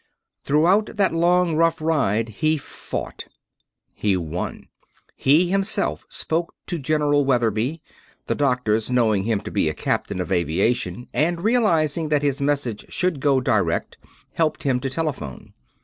Throughout that long, rough ride he fought. He won. He himself spoke to General Weatherby the doctors, knowing him to be a Captain of Aviation and realizing that his message should go direct, helped him telephone.